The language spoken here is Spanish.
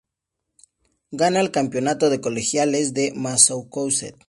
Gana el campeonato de Colegiales de Massachusetts.